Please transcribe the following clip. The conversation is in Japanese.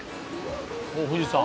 おお富士山。